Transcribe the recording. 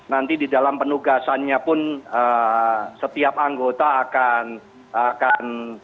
nanti di dalam penugasannya pun setiap anggota akan